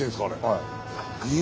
はい。